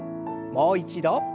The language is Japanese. もう一度。